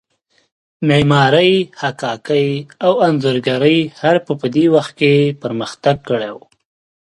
معمارۍ، حکاکۍ او انځورګرۍ حرفو په دې وخت کې پرمختګ کړی و.